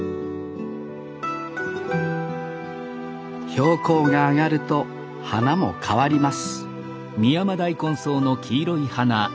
標高が上がると花も変わります